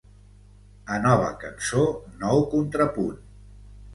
A nova cançó, nou contrapunt.